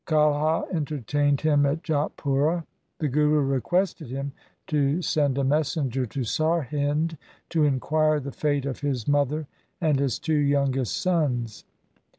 Kalha entertained him at Jatpura. The Guru requested him to send a messenger to Sarhind to inquire the fate of his mother and his two youngest sons.